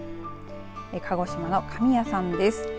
鹿児島の神谷さんです。